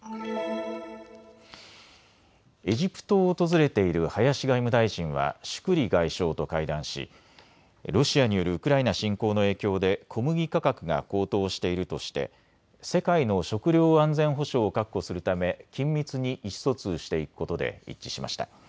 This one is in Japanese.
エジプトを訪れている林外務大臣はシュクリ外相と会談しロシアによるウクライナ侵攻の影響で小麦価格が高騰しているとして世界の食料安全保障を確保するため緊密に意思疎通していくことで一致しました。